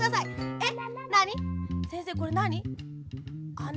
えっ？